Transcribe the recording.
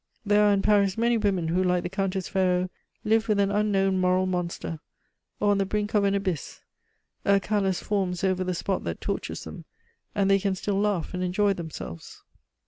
There are in Paris many women who, like the Countess Ferraud, live with an unknown moral monster, or on the brink of an abyss; a callus forms over the spot that tortures them, and they can still laugh and enjoy themselves.